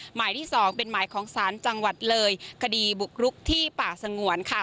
หมายที่สองเป็นหมายของศาลจังหวัดเลยคดีบุกรุกที่ป่าสงวนค่ะ